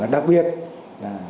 đặc biệt là